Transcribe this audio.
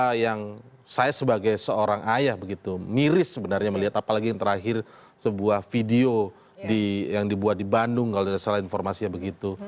ada yang saya sebagai seorang ayah begitu miris sebenarnya melihat apalagi yang terakhir sebuah video yang dibuat di bandung kalau tidak salah informasinya begitu